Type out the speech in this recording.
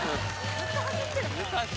ずっと走ってるから。